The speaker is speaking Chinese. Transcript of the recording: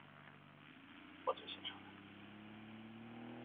法国远东学院有两项成果最引人注目。